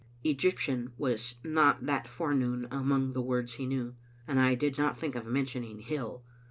" Egyptian" was not that forenoon among the words he knew, and I did not think of mentioning " hill.